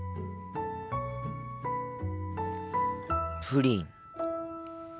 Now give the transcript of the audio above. プリン。